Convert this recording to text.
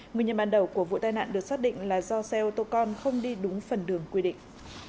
nguyên nhân ban đầu của vụ tai nạn được xác định là do xe ô tô con không đi đúng phần đường quy định